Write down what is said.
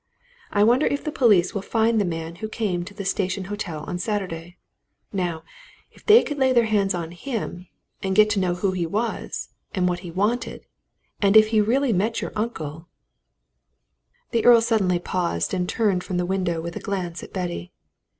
I wonder if the police will find the man who came to the Station Hotel on Saturday? Now, if they could lay hands on him, and get to know who he was, and what he wanted, and if he really met your uncle " The Earl suddenly paused and turned from the window with a glance at Betty.